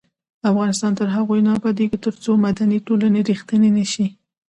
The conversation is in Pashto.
افغانستان تر هغو نه ابادیږي، ترڅو مدني ټولنې ریښتینې نشي.